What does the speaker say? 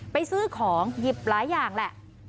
ซื้อของหยิบหลายอย่างแหละ